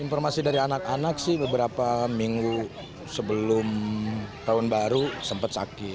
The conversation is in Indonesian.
informasi dari anak anak sih beberapa minggu sebelum tahun baru sempat sakit